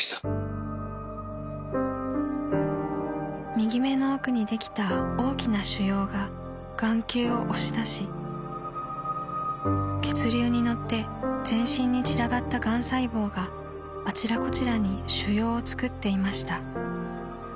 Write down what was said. ［右目の奥にできた大きな腫瘍が眼球を押し出し血流に乗って全身に散らばったがん細胞があちらこちらに腫瘍をつくっていました］